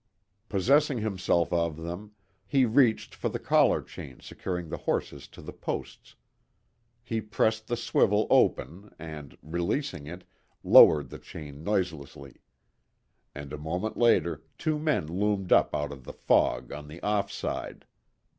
Possessing himself of them, he reached for the collar chain securing the horses to the posts. He pressed the swivel open, and, releasing it, lowered the chain noiselessly. And a moment later two men loomed up out of the fog on the "off side."